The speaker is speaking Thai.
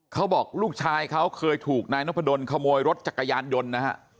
เขาบอกลูกชายเขาเคยถูกนายนพดลขโมยรถจักรยานยนต์นะฮะ